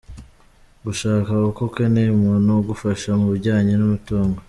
Gushaka kuko ukeneye umuntu ugufasha mu bijyanye n’umutungo.